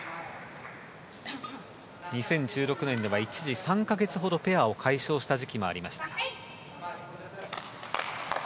２０１６年では一時３か月ほどペアを解消した時期もありました。